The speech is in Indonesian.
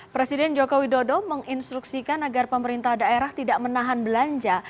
presiden joko widodo menginstruksikan agar pemerintah daerah tidak menahan belanja